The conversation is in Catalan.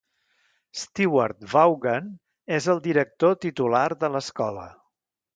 Stewart Vaughan és el director titular de l'escola.